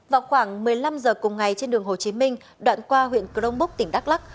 vào khoảng một mươi năm giờ cùng ngày trên đường hồ chí minh đoạn qua huyện cronbúc tỉnh đắk lắc